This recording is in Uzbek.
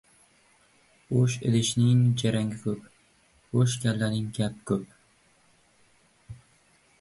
• Bo‘sh idishning jarangi ko‘p, bo‘sh kallaning gapi ko‘p.